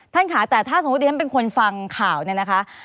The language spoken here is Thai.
ค่ะแต่ถ้าสมมุติฉันเป็นคนฟังข่าวเนี่ยนะคะ